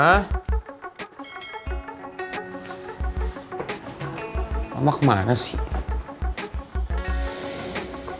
selamat mengalami papa